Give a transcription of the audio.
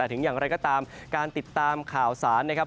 ถึงอย่างไรก็ตามการติดตามข่าวสารนะครับ